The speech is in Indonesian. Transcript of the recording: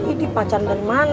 idi pacar bermain